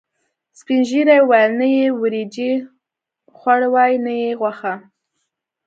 سپینږیرو ویل: نه یې وریجې خوړاوې، نه یې غوښه.